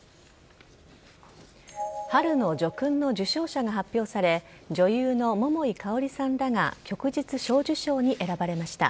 春の叙勲の受章者が発表され女優の桃井かおりさんらが旭日小綬章に選ばれました。